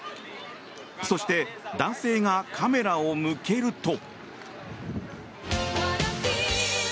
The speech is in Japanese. そして、男性がカメラを向けると。